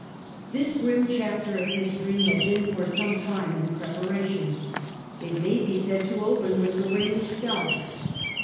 This grim chapter of history had been for some time in preparation. It may be said to open with the 1837. 'BOKHARA BURNES.' 225 reign itself.